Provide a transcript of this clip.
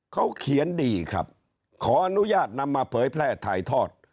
เขาเขียนดีครับขออนุญาตนำมาเผยแพร่ถ่ายทอด